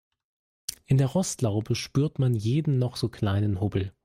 In der Rostlaube spürt man jeden noch so kleinen Hubbel.